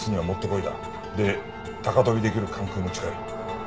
で高飛びできる関空も近い。